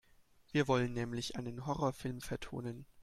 Wir wollen nämlich einen Horrorfilm vertonen.